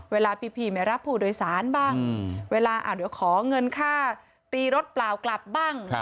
เวลาพี่ไม่รับผู้โดยสารบ้างเวลาเดี๋ยวขอเงินค่าตีรถเปล่ากลับบ้าง